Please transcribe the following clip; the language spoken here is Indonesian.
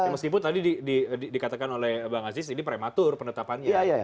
meskipun tadi dikatakan oleh bang aziz ini prematur penetapannya